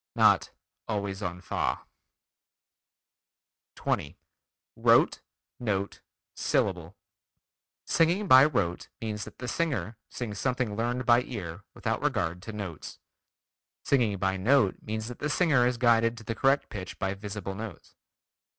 Not "always on fa." 20. Rote, Note, Syllable: Singing by rote means that the singer sings something learned by ear without regard to notes. Singing by note means that the singer is guided to the correct pitch by visible notes.